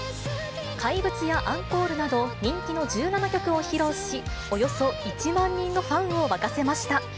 怪物やアンコールなど、人気の１７曲を披露し、およそ１万人のファンを沸かせました。